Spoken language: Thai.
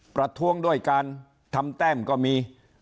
ประท้วงด้วยการทำแต้มก็มี